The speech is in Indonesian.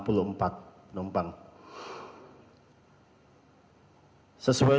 sesuai dengan pertemuan minggu lalu